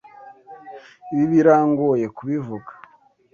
Ibi birangoye kubivuga.